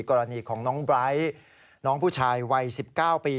กรณีของน้องไบร์ทน้องผู้ชายวัย๑๙ปี